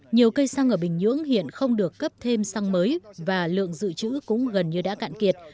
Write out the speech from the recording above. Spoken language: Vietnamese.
nhiều cây xăng ở bình nhưỡng hiện không được cấp thêm xăng mới và lượng dự trữ cũng gần như đã cạn kiệt